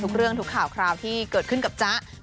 ทุกเรื่องทุกข่าวคราวที่เกิดขึ้นกับจ๊ะ